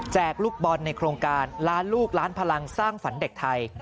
ลูกบอลในโครงการล้านลูกล้านพลังสร้างฝันเด็กไทย